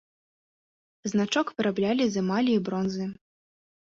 Значок выраблялі з эмалі і бронзы.